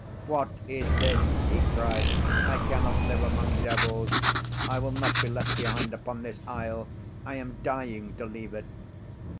"What is this?" he cried. "I cannot live among devils. I will not be left behind upon this isle. I am dying to leave it."